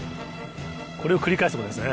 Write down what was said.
これを繰り返すってことです